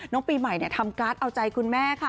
ปีใหม่ทำการ์ดเอาใจคุณแม่ค่ะ